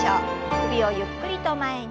首をゆっくりと前に。